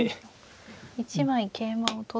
１枚桂馬を取って。